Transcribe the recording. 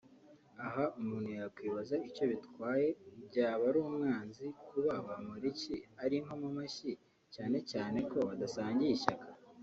Aha umuntu yakwibaza icyo bitwaye Byabarumwanzi kuba Bamporiki ari inkomamashyi cyane cyane ko badasangiye ishyaka